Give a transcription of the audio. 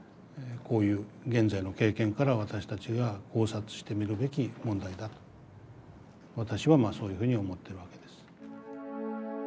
こういう現在の経験から私たちが考察してみるべき問題だと私はそういうふうに思ってるわけです。